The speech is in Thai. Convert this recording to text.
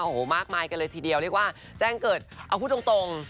โอ้โหมากมายกันเลยทีเดียวเรียกว่าแจ้งเกิดเอาพูดตรง